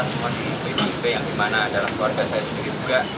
semua di pdip juga yang dimana dalam keluarga saya sendiri juga